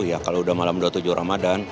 ya kalau udah malam dua puluh tujuh ramadan